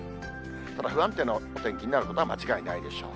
ただ不安定なお天気になることは間違いないでしょう。